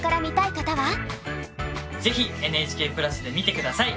ぜひＮＨＫプラスで見て下さい。